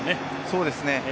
そうですね。